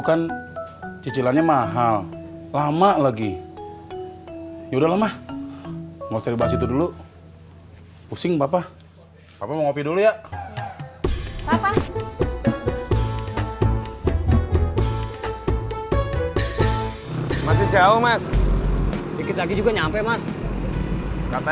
kan cicilannya mahal lama lagi yaudah lama mau serba situ dulu pusing papa papa mau ngopi dulu ya